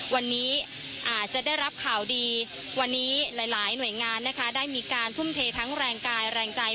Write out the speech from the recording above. วันนี้อาจจะได้รับข่าวดีวันนี้หลายหน่วยงานนะคะได้มีการทุ่มเททั้งแรงกายแรงใจ